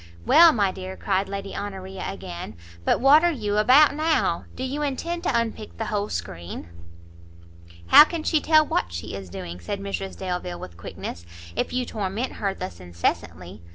"Well, my dear," cried Lady Honoria, again, "but what are you about now? do you intend to unpick the whole screen?" "How can she tell what she is doing," said Mrs Delvile, with quickness, "if you torment her thus incessantly?